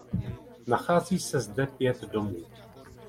Nachází se zde pět domů.